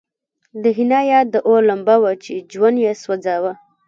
د حنا یاد د اور لمبه وه چې جون یې سوځاوه